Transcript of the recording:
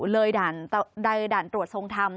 เลยด่านตรวจทรงธรรม